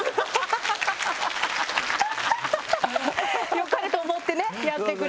良かれと思ってねやってくれてるからね。